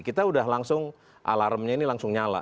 kita udah langsung alarmnya ini langsung nyala